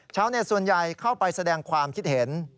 ชาวเน็ตส่วนใหญ่เข้าไปแสดงความคิดเห็น